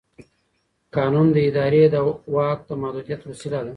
قانون د ادارې د واک د محدودیت وسیله ده.